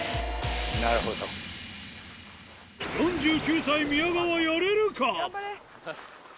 ４９歳宮川、やれるか？